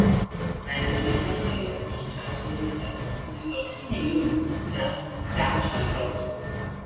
白日依山盡，紅燒獅子頭，芋頭西米露，薑絲大腸頭